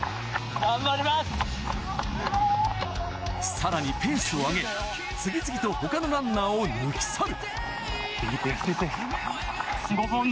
さらにペースを上げ次々と他のランナーを抜き去る。